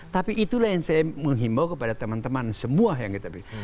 tapi itulah yang saya menghimbau kepada teman teman semua yang kita pilih